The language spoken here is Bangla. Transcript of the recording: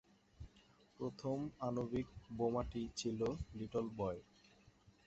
প্রথম আণবিক বোমাটি ছিল লিটল বয়।